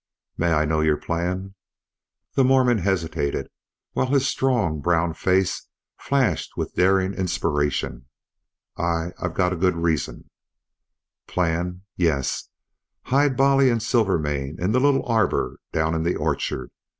"May I know your plan?" The Mormon hesitated while his strong brown face flashed with daring inspiration. "I I've a good reason." "Plan? Yes. Hide Bolly and Silvermane in the little arbor down in the orchard.